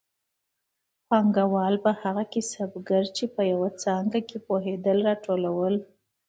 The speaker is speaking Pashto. پانګوالو به هغه کسبګر چې په یوه څانګه کې پوهېدل راټولول